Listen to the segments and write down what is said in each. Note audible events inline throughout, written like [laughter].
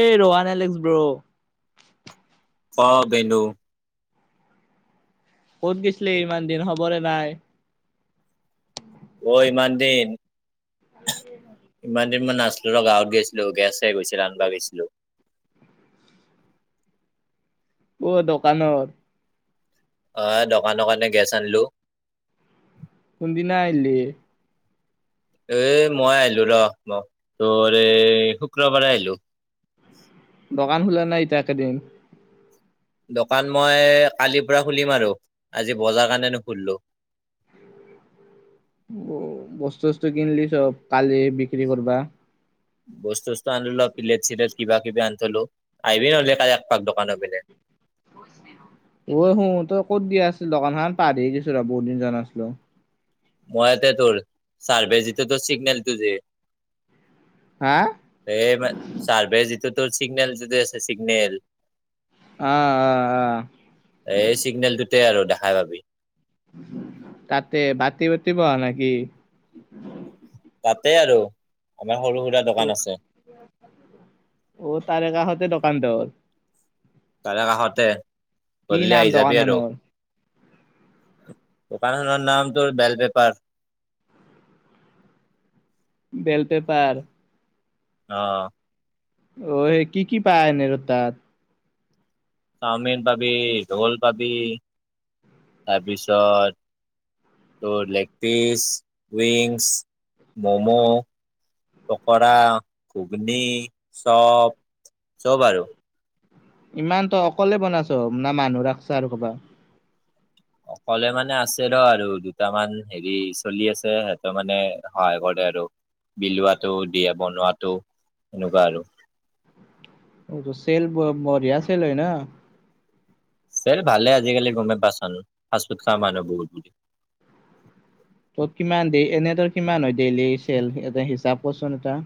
এই ৰহান এলেক্স ব্ৰ। ক বেনু। ক'ত গৈছিলে ইমান দিন হবৰে নাই? অ ইমান দিন ইমান মই নাচলো ৰ গাঁৱত গৈছিলো গেছে গৈছে ৰান্ধিবা গৈছিলো। অ দোকানত? অ দোকানৰ কাৰনে গেছ আনলো। কোনদিনা আহিলি? এ মই আহিলো ৰ ম তৰ এই শুক্ৰবাৰে আহিলো। দোকান খুলা নাই এতিয়া এইকেইদিন? দোকান মই কালিৰ পৰা খুলিম আৰু আজি বজাৰ কাৰণে নুখুলিলো। বস্তু - চস্তু কিনলি চব কালি বিক্ৰী কৰবা? বস্তু-চস্তু আনলু ৰহ পিলেট-চিলেট কিবা কিবি আন থলো, আহিবি নহলে কালি এক পাক দোকানৰ পিনে। ঐ শুন তই কত দিয়া আছিল দোকানখান পাহৰিয়ে গৈছোঁ ৰ বহুত দিন যোৱা নাছিলো। মই ইয়াতে তোৰ চাৰভেজিটো তোৰ চিগ্নেলটো যে। হা? এই মানে চাৰভে যিটো তোৰ চিগ্নেল টো যে আছে চিগ্নেল। অ অ। অ এই চিগনেলটোতে আৰু দেখাই পাবি। তাতে বাতে বাতে বহা নেকি? তাতে আৰু আমাৰ সৰু সুৰা অ দোকান আছে। [inaudible] অ তাৰে কাষতে দোকান তোৰ? তাৰে কাষতে, কি গধূলি নাম আহি যাবি আৰু। দোকানখনৰ দোকানখনৰ নাম তোৰ বেল পেপাৰ। বেলপেপাৰ? অঁ। ঐ কি কি পায় এনে আৰু তাত? চাওমিন পাবি, ৰোল পাবি তাৰপিছত তোৰ লেগ পিছ, উইংছ, মম পকৰা, ঘুগনি, চপ চব আৰু। ইমান তই অকলে বনা চব? না মানুহ ৰাখছা আৰু কাবাক? অকলে মানে আছে ৰ আৰু দুটামান হেৰি চলি আছে সেটও মানে সহায় কৰে আৰু বিলুৱাটো দিয়ে, বনোৱাটো সেনেকুৱা আৰু অ ভুচেল বঢ়িয়া চেল হয় ন চেল ভালে আজিকালি গমে পাচোন ফাচ ফুড খাম আৰু বহুত বুলি ত কিমান ডেই এনে তোৰ কিমান হয় ডেইলি চেল এনে হিচাপ কৰচোন এটা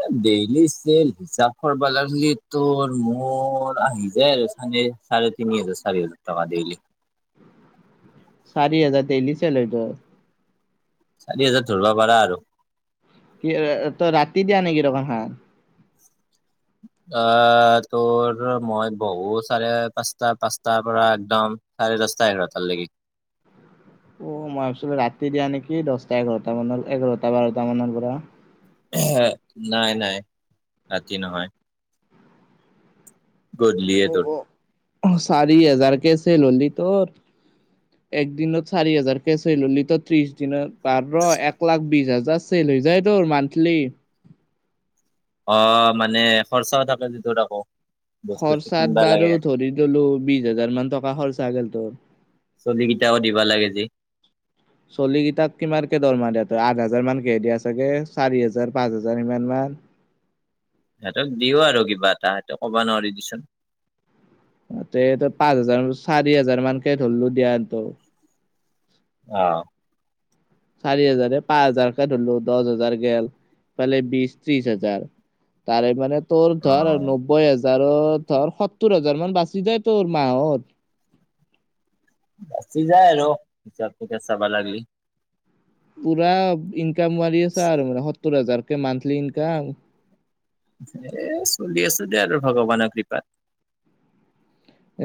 এ ডেইলি চেল হিচাপ কৰিব লাগলি তোৰ মোৰ আহি যায় আৰু চাগে চাৰে তিনি হাজাৰ, চাৰি হাজাৰ টকা ডেইলি চাৰি হাজাৰ ডেইলি চেল হয় তো চাৰি হাজাৰ ধৰিব পাৰা আৰু কি তই ৰাতি দিয়া নেকি দোকান খন অ তোৰ মই বহু চাৰে পাঁচটা পাঁচটাৰ পৰা একদম চাৰে দহতা এঘাৰতালেগে অ মই ভাবছিলো ৰাতি দিয়া নেকি দহটা এঘাৰটা মানৰ, এঘাৰটা বাৰটা মানৰ পৰা নাই নাই ৰাতি নহয় গধূলিয়ে তোৰ অ অ চাৰি হাজাৰকে চেল হলি তৰ [inaudible] এক দিনত চাৰি হাজাৰ কে চেল হলি তোৰ ত্ৰিশ দিনত বাৰ এক লাখ বিশ হাজাৰ চেল হৈ যায় তোৰ মান্থলি অ মানে খৰচা থাকে যিটোত আকৌ বস্তু চস্তু খৰচাত কিনবা বাৰু লাগে ধৰি ললো বিশ হাজাৰ মান টকা খৰচা গল তোৰ চলি কেইটাও দিব লাগে যে চলি কেইটাক কিমানকে দৰমাহা দিয়া তই আঠ হাজাৰ মান কে হে দিয়া চাগে চাৰি হাজাৰ পাঁচ হাজাৰ ইমান মান সিহঁতক দিও আৰু কিবা এটা সেইটো ক'ব নোৱাৰি দেচোন সিঁহতে পাঁচ হাজাৰ, চাৰি হাজাৰ মানকে ধৰিলো দিয়া তো অ চাৰি হাজাৰে, পাঁচ হাজাৰকে ধৰলো দহ হাজাৰ গেল এফালে বিশ ত্ৰিশ হাজাৰ তাৰে মানে তোৰ অ ধৰ নবৈ হাজাৰত ধৰ সত্তৰ হাজাৰ মান বাছি যায় তোৰ মাহত বাচি যাই আৰু হিচাপটোকে চাব লাগলি পুৰা ইনকাম মাৰি আছা আৰু মানে সত্তৰ হাজাৰকে মান্থলি ইনকাম এ চলি আছো দে আৰু ভগৱানৰ কৃপাত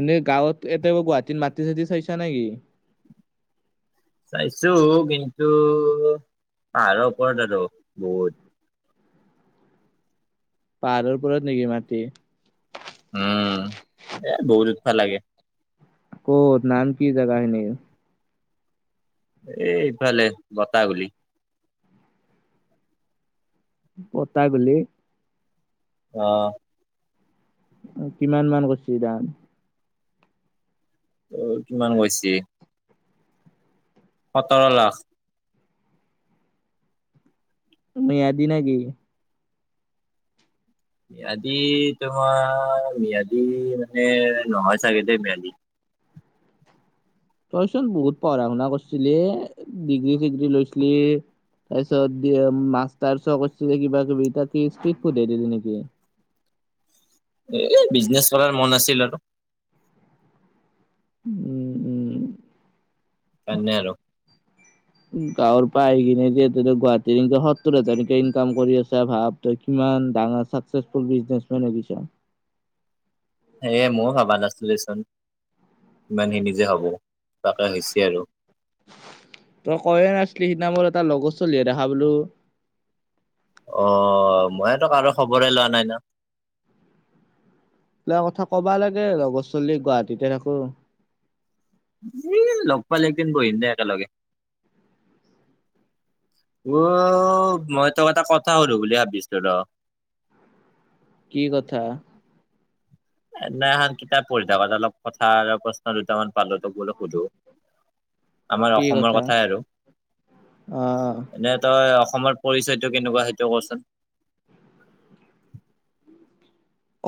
এনেই গাঁৱত এতিয়াপা গুৱাহাটীত মাটি চাতি চইচা না কি চাইছো কিন্তু পাহাৰৰ ওপৰত আৰু বহুত পাহাৰৰ ওপৰত নেকি মাটি উম এ বহুত উঠব লাগে ক'ত নাম কি জাগা খিনিৰ এইফালে বতাহগলি বতাহগলি অ কিমান মান কছে দাম তোৰ কিমান কৈছে সতৰ লাখ ম্যাদী নেকি? ম্যাদি তোমাৰ ম্যাদি মানে নহয় চাগে দেই ম্যাদি তইচোন বহুত পঢ়া-শুনা কৰিছিলি ডিগ্ৰী চিগ্ৰী লৈছিলি তাৰপিছত মাষ্টাৰ চ কৰিছিলে কিবা কিবি [unintelligible] নেকি? এ বিজনেছ কৰাৰ মন আছিল আৰু উম, উম, তেনে আৰু গাঁৱৰ পা আহি কিনে যে তেতিয়া গুৱাহাটীত এনকে সত্তৰ হাজাৰকে ইনকাম কৰি আছে ভাব। তই কিমান ডাঙৰ চাকচেচফুল বিজনেছমেন [unintelligible] সেয়ে ময়ো ভাবা নাছিলো চোন ইমানখিনি যে হ'ব তাকে হৈছে আৰু তই কৈয়ে নাছিলি সিদিনা মোৰ এটা লগৰ চলি দেখা পালোঁ অ', মইতো কাৰো খবৰে লোৱা নাই ন' এইগিলা কথা কবা লাগে লগৰ চলি গুৱাহাটীতে থাকো। এই লগ পালে একদিন বহিম দে একেলগে। অ', মই তোক এটা কথা সোধো বুলি ভাবিছিলোঁ ৰ' কি কথা? সেইদিনা এখন কিতাপ পঢ়ি থাকত অলপ কথা আৰু প্ৰশ্ন দুটামান পালো তোক বোলে সোধো। আমাৰ কি অসমৰ কথা কথাই আৰু অ অ এনে তই অসমৰ পৰিচয়টো কেনেকুৱা সেইটো কচোন?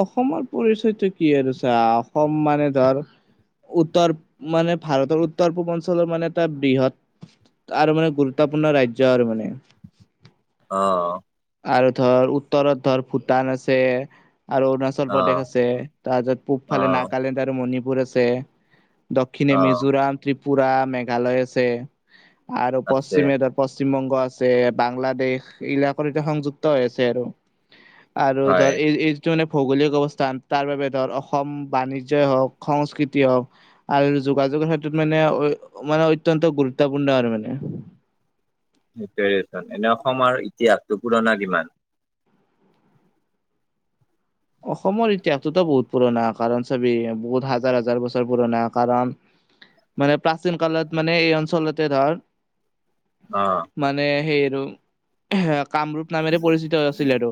অসমৰ পৰিচয়টো কি আৰুছা অসম মানে ধৰ উত্তৰ মানে ভাৰতৰ উত্তৰ পূবৰ অঞ্চলৰ মানে এটা বৃহৎ আৰু মানে গুৰুত্বপূৰ্ণ ৰাজ্য আৰু মানে। অ', আৰু ধৰ উত্তৰত ধৰ ভূটান আছে আৰু চল অ প্ৰদেশ আছে তাৰ পিছত পূব অ ফালে নাগালেণ্ড আৰু মণিপুৰ আছে। দক্ষিণে অ মিজোৰাম, ত্ৰিপুৰা, মেঘালয় আছে আৰু আছে পশ্চিমে পশ্চিম বংগ আছে বাংলাদেশ এইবিলাকৰ এতিয়া সংযুক্ত হৈ আছে আৰু। আৰু হয় ধৰ এই এই যনে ভৌগোলিক অৱস্থান তাৰ বাবে ধৰ অসম বাণিজ্য হওক সংস্কৃতি হওক আৰু যোগাযোগৰ ক্ষেত্ৰত মানে মানে অত্যন্ত গুৰুত্বপূৰ্ণ আৰু মানে। [unintelligible] এনে অসমৰ ইতিহাসটো পুৰণা কিমান? অসমৰ ইতিহাসটোতো বহুত পুৰণা কাৰণ চাবি বহুত হাজাৰ হাজাৰ বছৰ পুৰণা কাৰণ মানে প্ৰাচীন কালত মানে এই অঞ্চলতে ধৰ অ', মানে সেই আৰু কামৰূপ নামেৰে পৰিচিত হৈ আছিল আৰু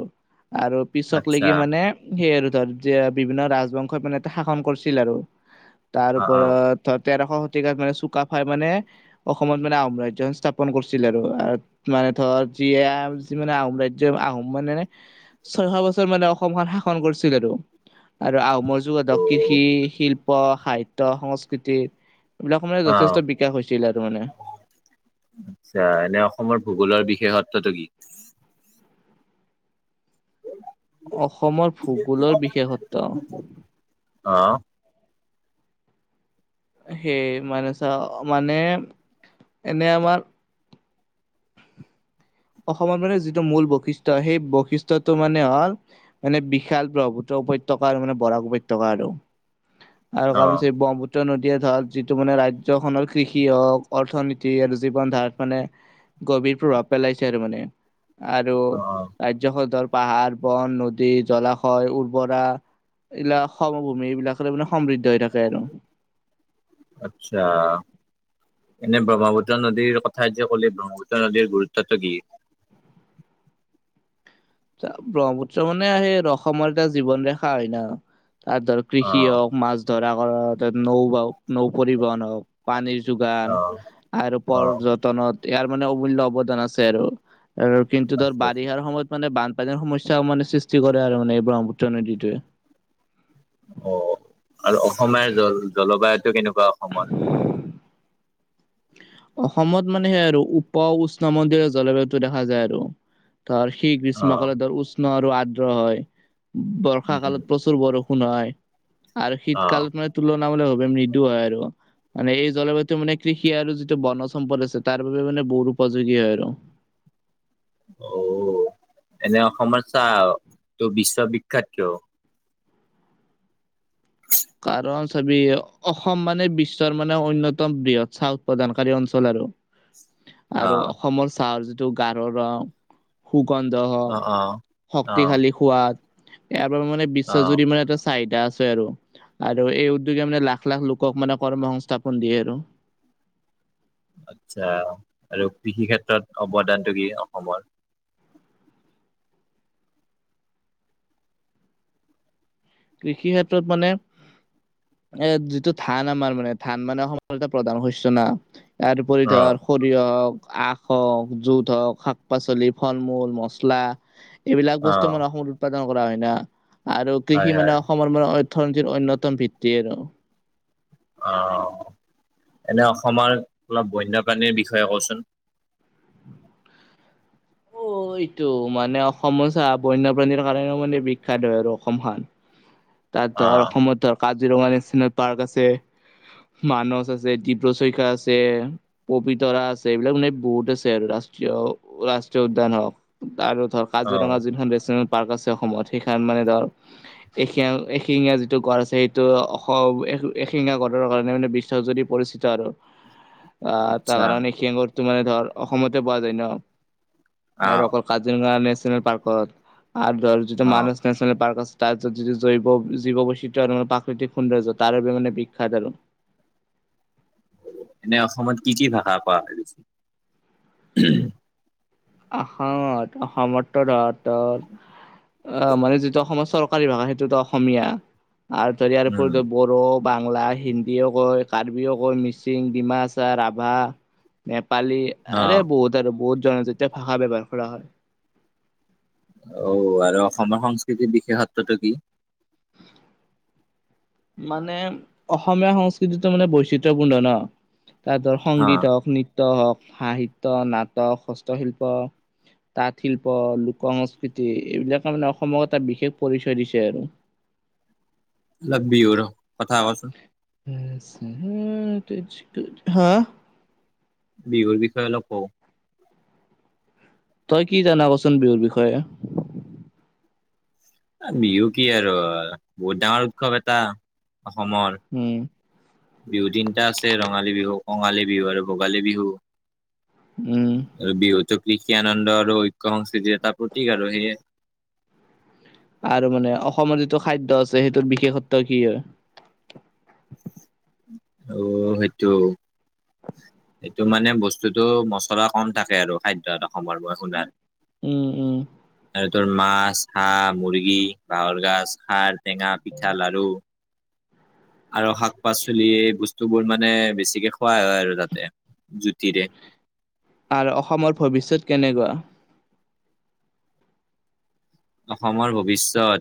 আৰু পিছক আচ্ছা লকে মানে সেই আৰু ধৰ যে বিভিন্ন ৰাজবংশই মানে শাসন কৰিছিল আৰু তাৰ অ অ ওপৰত ধৰ তেৰ শতিকাত মানে চুকাফাই মানে অসমত মানে আহোম ৰাজ্য স্থাপন কৰিছিল আৰু। মানে ধৰ যি যি মানে আহোম ৰাজ্য আহোম মানে ছয়শ বছৰ মানে অসমখন শাসন কৰিছিল আৰু আৰু আহোমৰ যুগত অ ধক কৃষি শিল্প সাহিত্য সংস্কৃতি এইবিলাকৰ মানে অ যথেষ্ট বিকাশ হৈছিল আৰু মানে আচ্ছা এনে অসমৰ ভূগোলৰ বিশেষত্বটো কি? অসমৰ ভূগোলৰ বিশেষত্ব অ', সেই মানে চা মানে এনে আমাৰ অসমত মানে যিটো মূল বশিষ্ঠ সেই বশিষ্ঠটো মানে হ'ল মানে বিশাল ব্ৰহ্মপুত্ৰ উপত্যকা আৰু মানে বৰাক উপত্যকা আৰু আৰু অ কাৰণেই ব্ৰহ্মপুত্ৰ নদীয়ে ধৰক যিটো মানে ৰাজ্যখনৰ কৃষি হওক অৰ্থনীতি আৰু জীৱন ধাৰাত মানে গভীৰ প্ৰভাৱ পেলাইছে আৰু মানে, আৰু অ ৰাজ্য খনৰ পাহাৰ বন নদী জলাশয় উৰ্বৰা। এইবিলাক সমভূমি এইবিলাকৰে মানে সমৃদ্ধ হৈ থাকে আৰু। আচ্ছা। এনে ব্ৰহ্মপুত্ৰ নদীৰ কথা যে, ক'লে ব্ৰহ্মপুত্ৰ নদীৰ গুৰুত্বতটো কি? ব্ৰহ্মপুত্ৰ মানে সেই আৰু অসমৰ এটা জীৱন ৰেখা হয় ন'? তাৰ ধৰ কৃষি অ', হওক মাছ ধৰা কৰ নৌ বাওক। নৌ পৰিবহন হওক পানীৰ যোগান অ', আৰু অ', পৰ্য টনত ইয়াৰ মানে অমূল্য অৱদান আছে, আৰু আৰু কিন্তু ধৰ আছে আছে বাৰিষাৰ সময়ত মানে বানপানীৰ সমস্যাও মানে সৃষ্টি কৰে আৰু মানে এই ব্ৰহ্মপুত্ৰ নদীটোৱে। অ', আৰু অসমীয়া জল-জলবায়ুতটো কেনেকুৱা অসমৰ? অসমত মানে সেই আৰু উপ উষ্ণ মন্দিৰৰ জলবায়ুতটো দেখা যায় আৰু। ধৰ সেই অ', গ্ৰীষ্মকালত ধৰ উষ্ণ আৰু আৰ্দ্ৰ হয়, বৰ্ষা উম, উম, কালত প্ৰচ প্ৰচুৰ বৰষুণ হয়, আৰু অ'। শীতকাল মানে তুলনা মূলক ভাৱে মৃদু হয়, আৰু মান এই জলবায়ুটো মানে কৃষি আৰু যিটো বনজ সম্পদ আছে তাৰ বাবে মানে বহুত উপযোগী হয় আৰু। অ', এনে অসমৰ চাহটো বিশ্ববিখ্যাত কিয়? কাৰণ, চাবি অসম মানে বিশ্বৰ মানে অন্যতম বৃহৎ চাহ উৎপাদানকাৰী অঞ্চল আৰু। [inaudible] আৰু অ', অসমৰ চাহৰ যিটো গাৰ ৰং সুগন্ধ হওক, অ', অ'। অ', শক্তিশালী সোৱাদ, ইয়াৰ পৰা মানে বিশ্ব অ', যুৰি মানে এটা চাহিটা আছে আৰু আৰু এই উদ্যোগে মানে লাখ লাখ লোকক মানে কৰ্ম সংস্থাপন দিয়ে আৰু। আচ্ছা, আৰু কৃষি ক্ষেত্ৰত অৱদানটো কি অসমৰ? কৃষি ক্ষেত্ৰত মানে এ যিটো ধান আমাৰ মানে ধান মানে অসমৰ এটা প্ৰধান শস্য না, ইয়াৰ উপৰি অ', ধৰ সৰিয়হ হওক, আখ হওক, জুত হওক, শাক-পাচলি, ফল-মূল, মচলা এইবিলাক বস্তু অ', মানে অসমত উৎপাদন কৰা হয় না, আৰু হয়, কৃষি হয়, মানে অসমৰ মানে অৰ্থনীতিৰ অন্যতম ভিত্তি আৰু। অ', এনে অসমৰ অলপ বন্যপ্ৰাণীৰ বিষয়ে ক'চোন। অ', এইটো মানে অসমৰ চা বন্যপ্ৰাণীৰ কাৰণেও মানে বিখ্যাত হয়, আৰু অসমখন। তাত ধৰ অ', অসমত ধৰ কাজিৰঙা নেশ্যনেল পাৰ্ক আছে। মানস আছে, ডীব্ৰু ছৈখোৱা আছে। পবিতৰা আছে এইবিলাক মানে বহুত আছে আৰু ৰাষ্ট্ৰীয় ৰাষ্ট্ৰীয় উদ্যান হওক। আৰু ধৰ অ', কাজিৰঙা যি খন নেচনেল পাৰ্ক আছে, অসমত সেইখন মানে ধৰ এ-এশিঙীয়া যিটো গড় আছে সেইটো অসম এশিঙা গড়ৰ কাৰণে মানে বিশ্বাসজুৰি পৰিচিত আৰু। [inaudible] আহ তাৰ কাৰণে, এশিঙীয়াগড়টো মানে ধৰ অসমতে পোৱা যায় ন' আৰু অ'। অকল কাজিৰঙা নেশ্যনেল পাৰ্কত আৰু ধৰ যিটো অ', মানস নেশ্যনেল পাৰ্ক আছে তাত য যিটো জৈৱ জীৱ বৈচিত্ৰ্য আৰু প্ৰাকৃতিক সৌন্দৰ্য তাৰ বাবে মানে বিখ্যাত আৰু। এনে অসমত কি কি ভাষা কোৱা হয়? অসমত অসমত তো ধৰ তোৰ অ', মানে যিটো অসমৰ চৰকাৰী ভাষা সেইটু তো অসমীয়া আৰু ধৰ ইয়াৰ উম, উপৰিও বহুত বড়ো, বাংলা, হিন্দীও কয়, কাৰ্বিও কয়, মিচিং, ডিমাচা, ৰাভা নেপালী, আৰে অ', বহুত আৰু বহুত জনজাতীয় ভাষা ব্যৱহাৰ কৰা হয়। অ আৰু অসমৰ সংস্কৃতিৰ বিশেষত্বটো কি মানে অসমীয়া সংস্কৃতিটো মানে বৈচিত্ৰপূণ্ড ন তাৰ অ', সংগীত হওক নৃত্য হওক সাহিত্য নাটক হস্তশিল্প তাঁত শিল্প লোক সংস্কৃতি এইবিলাক মানে অসমক এটা বিশেষ পৰিচয় দিছে আৰু অলপ বিহুৰ কথা কচোন [unintelligible] হা বিহুৰ বিষয়ে অলপ কওঁক তই কি জানা ক চোন বিহুৰ বিষয়ে বিহু কি আৰু বহুত ডাঙৰ উৎসৱ এটা অসমৰ উম বিহু তিনটা আছে ৰঙালী বিহু কঙালী বিহু আৰু ভোগালী বিহু উম বিহুটো কৃষি আনন্দ আৰু ঐক্য সংস্কৃতিৰ এটা প্ৰতীক আৰু সেয়ে আৰু মানে অসমৰ যিটো খাদ্য আছে সেইটোৰ বিশেষত্ব কি হয় অ সেইটো এইটো মানে বস্তুটো মচলা কম থাকে আৰু খাদ্য অসমৰ মই শুনাত উম উম আৰু তোৰ মাছ হাঁহ মুৰ্গী বাহৰ গাছ খাৰ টেঙা পিঠা লাৰু আৰু শাক পাচলি এই বস্তু বোৰ মানে বেছিকে খোৱা হয় আৰু তাতে জুতিৰে আৰু অসমৰ ভৱিষ্যত কেনেকুৱা অসমৰ ভৱিষ্যত